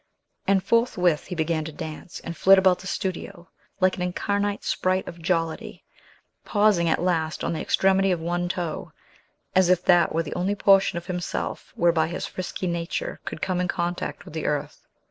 And forthwith he began to dance, and flit about the studio, like an incarnate sprite of jollity, pausing at last on the extremity of one toe, as if that were the only portion of himself whereby his frisky nature could come in contact with the earth.